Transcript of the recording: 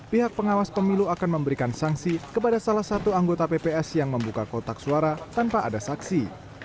pihak pengawas pemilu akan memberikan sanksi kepada salah satu anggota pps yang membuka kotak suara tanpa ada saksi